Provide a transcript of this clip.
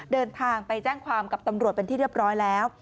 เดินทางไปแจ้งความกับตำรวจเป็นที่เรียบร้อยแล้ว